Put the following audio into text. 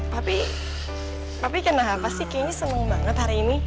tapi tapi kenapa sih kayaknya seneng banget hari ini